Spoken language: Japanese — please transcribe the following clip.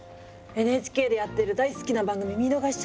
ＮＨＫでやってる大好きな番組見逃しちゃったのよ。